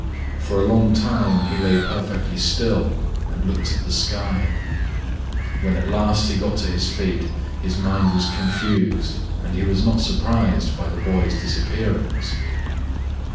For a long time he lay perfectly still and looked at the sky. When at last he got to his feet, his mind was confused and he was not surprised by the boy's disappearance.